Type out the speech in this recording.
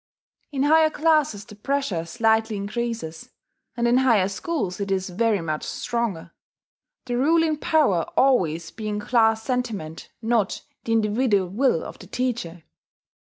In higher classes the pressure slightly increases; and in higher schools it is very much stronger; the ruling power always being class sentiment, not the individual will of the teacher.